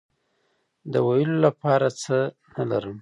د ویلو لپاره څه نه لرم